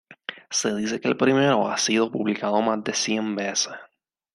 Se dice que el primero ha sido publicado más de cien veces.